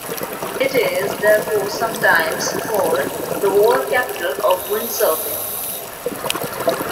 It is therefore sometimes called "The World Capital of Windsurfing".